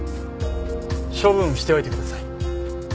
処分しておいてください。